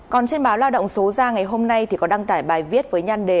còn trên báo lao động số ra ngày hôm nay thì có đăng tải bài viết với nhan đề